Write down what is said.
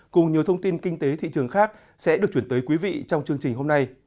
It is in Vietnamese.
cùng nhiều thông tin kinh tế thị trường khác sẽ được chuyển tới quý vị trong chương trình hôm nay